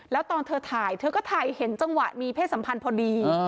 แล้วตอนเธอถ่ายเธอก็ถ่ายเห็นจังหวะมีเพศสัมพันธ์พอดี